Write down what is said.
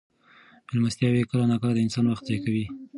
مېلمستیاوې کله ناکله د انسان وخت ضایع کوي.